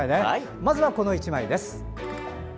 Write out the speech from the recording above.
まずは、この１枚です。